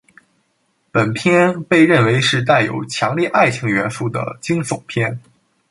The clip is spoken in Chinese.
本片被认为是带有强烈爱情元素的惊悚片。